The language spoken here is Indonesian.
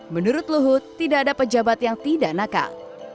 menurut luhut tidak ada pejabat yang tidak nakal